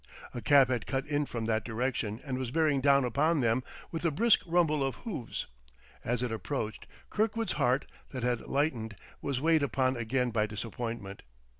A cab had cut in from that direction and was bearing down upon them with a brisk rumble of hoofs. As it approached, Kirkwood's heart, that had lightened, was weighed upon again by disappointment.